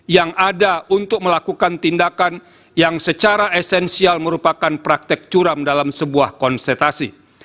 yang ada untuk melakukan tindakan yang secara esensial merupakan praktek curam dalam sebuah konsentrasi